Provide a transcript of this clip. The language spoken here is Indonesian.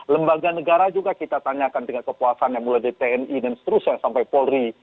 lembaga negara juga kita tanyakan tingkat kepuasan yang mulai dari tni dan seterusnya sampai polri